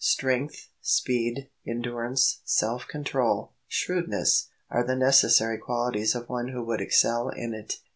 Strength, speed, endurance, self control, shrewdness, are the necessary qualities of one who would excel in it.